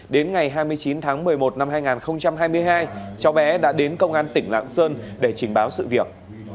đến ngày hai mươi chín tháng một mươi một năm hai nghìn hai mươi hai cháu bé đã đến công an tỉnh lạng sơn để trình báo sự việc